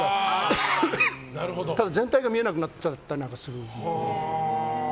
ただ全体が見えなくなっちゃったりするけどね。